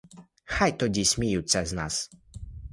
Хай тоді сміються з нас.